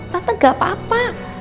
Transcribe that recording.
tante gak apa apa